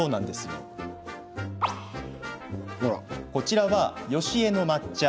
こちらは、よしえの抹茶。